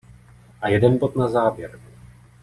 A jeden bod na závěr.